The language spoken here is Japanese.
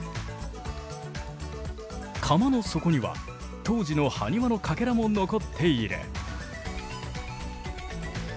窯の底には当時のハニワのかけらも残っている。